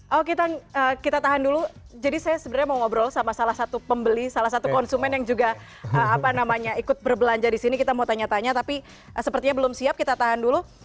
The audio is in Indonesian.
oh kita tahan dulu jadi saya sebenarnya mau ngobrol sama salah satu pembeli salah satu konsumen yang juga ikut berbelanja di sini kita mau tanya tanya tapi sepertinya belum siap kita tahan dulu